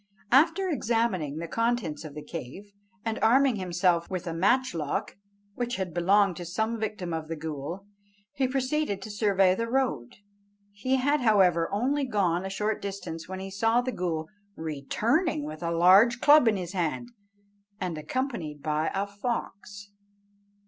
After examining the contents of the cave, and arming himself with a matchlock, which had belonged to some victim of the ghool, he proceeded to survey the road. He had, however, only gone a short distance when he saw the ghool returning with a large club in his hand, and accompanied by a fox.